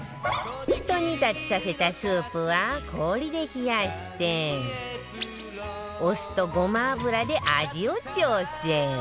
ひと煮立ちさせたスープは氷で冷やしてお酢とごま油で味を調整